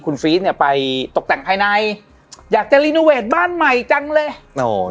รีนโนเวทบ้านใหม่จังเลย